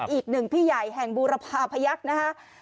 อีกหนึ่งพี่ใหญ่แห่งบูรพาพยักษ์นะคะ